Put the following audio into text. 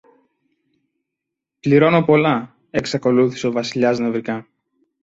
πληρώνω πολλά, εξακολούθησε ο Βασιλιάς νευρικά.